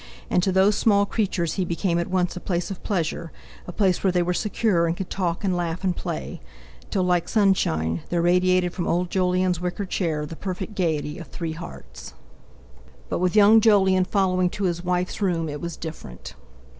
And to those small creatures he became at once a place of pleasure, a place where they were secure, and could talk and laugh and play; till, like sunshine, there radiated from old Jolyon's wicker chair the perfect gaiety of three hearts. But with young Jolyon following to his wife's room it was different.